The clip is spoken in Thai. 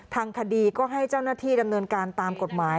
ทางคดีก็ให้เจ้าหน้าที่ดำเนินการตามกฎหมาย